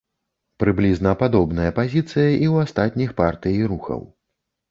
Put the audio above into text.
Прыблізна падобная пазіцыя і ў астатніх партый і рухаў.